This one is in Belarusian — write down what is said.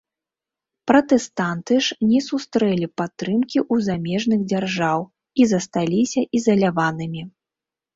Пратэстанты ж не сустрэлі падтрымкі ў замежных дзяржаў і засталіся ізаляванымі.